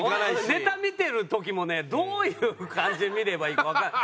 ネタ見てる時もねどういう感じで見ればいいかわかんない。